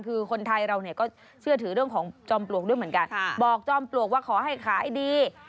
คือคนไทยเราเนี่ยก็เชื่อถือเรื่องของจอมปลวกด้วยเหมือนกันบอกจอมปลวกว่าขอให้ขายดี